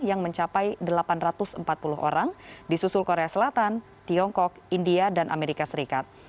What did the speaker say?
yang mencapai delapan ratus empat puluh orang di susul korea selatan tiongkok india dan amerika serikat